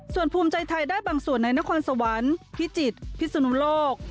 ส่วนภูมิใจไทยได้บางส่วนในนครสวรรค์พิจิตรพิศนุโลก